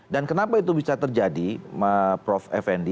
dan kenapa itu bisa terjadi prof effendi